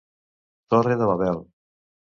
Torre de Babel.